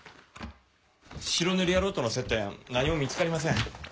白塗り野郎との接点何も見つかりません。